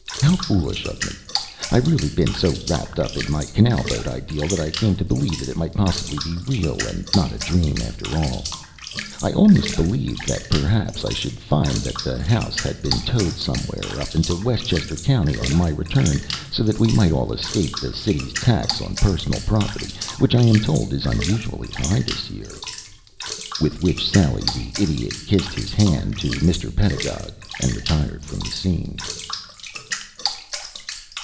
"How foolish of me! I've really been so wrapped up in my canal boat ideal that I came to believe that it might possibly be real and not a dream, after all. I almost believed that perhaps I should find that the house had been towed somewhere up into Westchester County on my return, so that we might all escape the city's tax on personal property, which I am told is unusually high this year." With which sally the Idiot kissed his hand to Mr. Pedagog and retired from the scene.